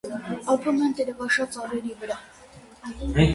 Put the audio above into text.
Ապրում են տերևաշատ ծառերի վրա։